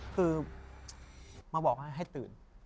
คือมาบอกว่าให้ตื่น